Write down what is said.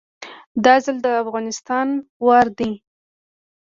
دا ځل د افغانستان وار دی